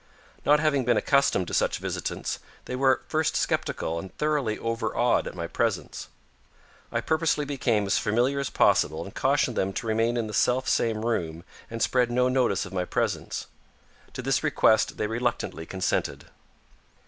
Not having been accustomed to such visitants, they were at first skeptical and thoroughly overawed at my presence. I purposely became as familiar as possible and cautioned them to remain in the selfsame room and spread no notice of my presence. To this request they reluctantly consented.